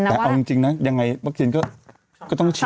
แต่เอาจริงนะยังไงวัคซีนก็ต้องฉีด